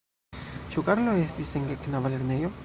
Ĉu Karlo estis en geknaba lernejo?